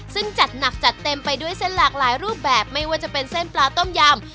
ซึ่งจัดหนักจัดเต็มไปด้วยเส้นหลากหลายรูปแบบไม่ว่าจะเป็นเส้นปลาต้มยำ